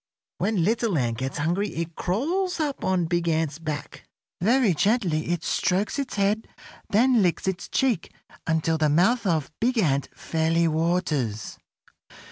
When Little Ant gets hungry it crawls up on Big Ant's back. Very gently it strokes its head, then licks its cheek until the mouth of Big Ant fairly waters.